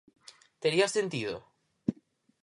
¿Tería sentido?